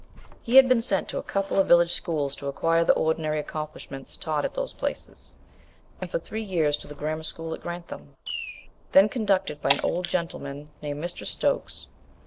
] He had been sent to a couple of village schools to acquire the ordinary accomplishments taught at those places, and for three years to the grammar school at Grantham, then conducted by an old gentleman named Mr. Stokes.